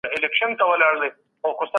تاسو د زکات په اهميت پوهېږئ؟